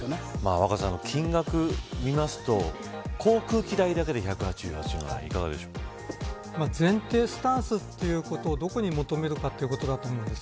若狭さん、金額を見ますと航空機代だけで１８８万円前提スタンスということをどこに求めるかということだと思います。